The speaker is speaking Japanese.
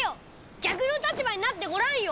逆の立場になってごらんよ！